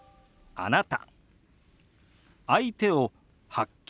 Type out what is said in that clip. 「あなた」。